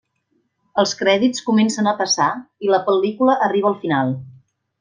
Els crèdits comencen a passar i la pel·lícula arriba al final.